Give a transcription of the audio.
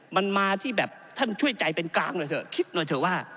มันมาที่แบบท่านช่วยใจเป็นกลางหน่อยเถอะคิดหน่อยเถอะว่า